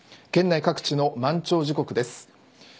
県内各地の満潮時刻です。